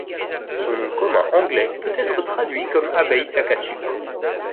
Son nom commun anglais peut être traduit comme abeille sac de sucre.